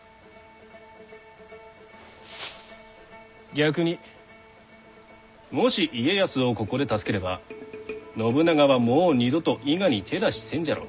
逆にもし家康をここで助ければ信長はもう二度と伊賀に手出しせんじゃろう。